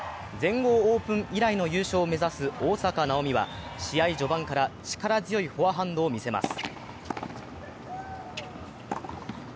全豪オープン以来の優勝を目指す大坂なおみは試合序盤から力強いフォアハンドを見せます。